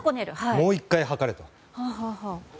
もう１回測れと。